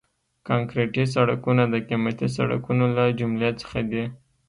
کانکریټي سړکونه د قیمتي سړکونو له جملې څخه دي